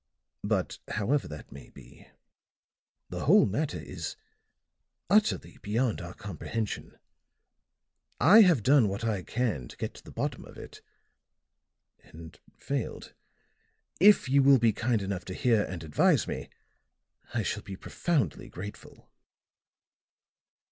But, however that may be, the whole matter is utterly beyond our comprehension. I have done what I can to get to the bottom of it and failed. If you will be kind enough to hear and advise me, I shall be profoundly grateful."